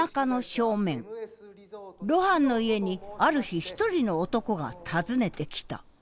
露伴の家にある日一人の男が訪ねてきた。